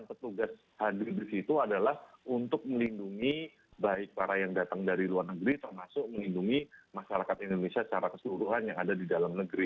petugas hadir di situ adalah untuk melindungi baik para yang datang dari luar negeri termasuk melindungi masyarakat indonesia secara keseluruhan yang ada di dalam negeri